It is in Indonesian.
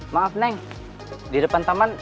maaf neng di depan taman